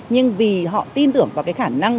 nhưng vì họ tin tưởng vào cái khả năng